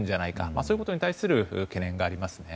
そういうことに対する懸念がありますね。